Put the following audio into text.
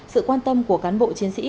sự quan tâm của cán bộ chiến sĩ